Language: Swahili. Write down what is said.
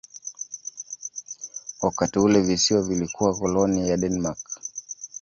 Wakati ule visiwa vilikuwa koloni ya Denmark.